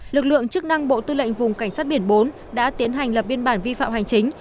lực lượng chức năng bộ tư lệnh vùng cảnh sát biển bốn đã tiến hành lập biên bản vi phạm hành chính